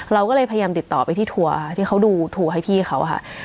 เราก็เลยพยายามติดต่อไปที่ทัวร์ที่เขาดูทัวร์ให้พี่เขาค่ะ